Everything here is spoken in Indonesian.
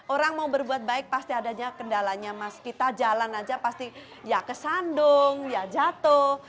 orang mau berbuat baik pasti adanya kendalanya mas kita jalan aja pasti ya kesandung ya jatuh